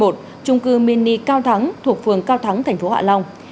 trung cư mini cao thắng thuộc phường cao thắng thành phố hạ long